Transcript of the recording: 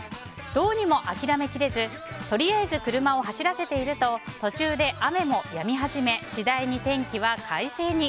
どうにも諦めきれずとりあえず車を走らせていると途中で雨もやみ始め次第に天気は快晴に。